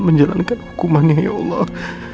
menjalankan hukumannya ya allah